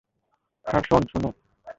আর, শোন সোনা!